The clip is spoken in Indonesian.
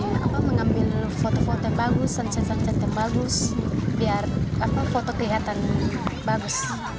selain itu mengambil foto foto yang bagus sansen sansen yang bagus biar foto kelihatan bagus